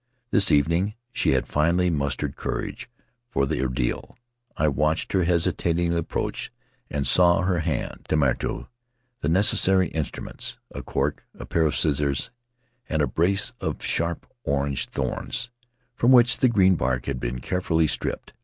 This evening she had finally mustered courage for the ordeal; I watched her hesitating approach and saw Faery Lands of the South Seas her hand Tehinatu the necessary instruments — a cork, a pair of scissors, and a brace of sharp orange thorns from which the green bark had been carefully stripped.